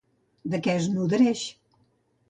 De què es nodreix?